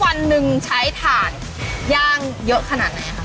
วันนึงใช้ฐานย่างเยอะขนาดนี่ครับ